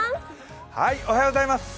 おはようございます。